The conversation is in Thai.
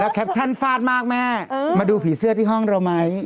แคปชั่นฟาดมากแม่มาดูผีเสื้อที่ห้องเราไหม